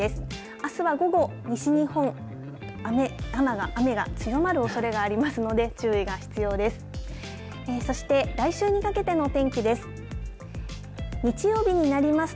あすは午後、西日本雨が強まるおそれがありますので注意が必要です。